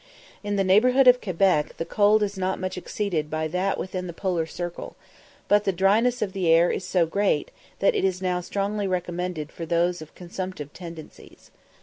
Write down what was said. In the neighbourhood of Quebec the cold is not much exceeded by that within the polar circle, but the dryness of the air is so great that it is now strongly recommended for those of consumptive tendencies.